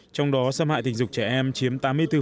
trong đó xâm hại tình dục trẻ em chiếm tám mươi bốn